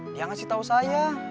dia ngasih tau saya